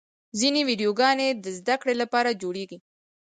ځینې ویډیوګانې د زدهکړې لپاره جوړېږي.